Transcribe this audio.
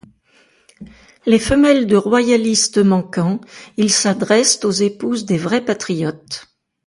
Les femelles de royalistes manquant, ils s'adressent aux épouses des vrais patriotes.